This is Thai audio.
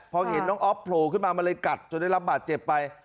พอเห็นน้องอ๊อฟโผล่ขึ้นมามันเลยกัดจนได้รับบาดเจ็บไป